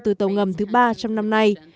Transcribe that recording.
từ tàu ngầm thứ ba trong năm nay